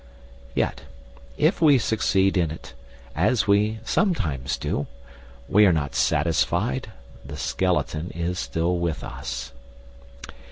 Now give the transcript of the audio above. Yet, if we succeed in it, as we sometimes do, we are not satisfied; the skeleton is still with us.